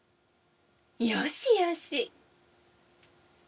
「よしよし」